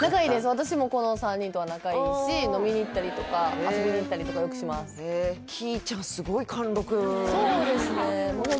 私もこの３人とは仲いいし飲みに行ったりとか遊びに行ったりとかよくしますそうですね